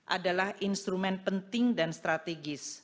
adalah instrumen penting dan strategis